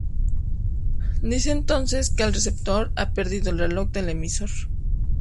Se dice entonces que el receptor ha perdido el reloj del emisor.